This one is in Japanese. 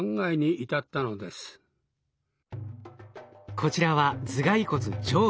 こちらは頭蓋骨上部。